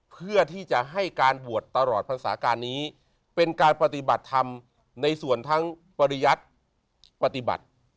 เพื่อที่จะให้การบวชตลอดภาษาการนี้เป็นการปฏิบัติธรรมในส่วนทั้งปริยัติปฏิบัติ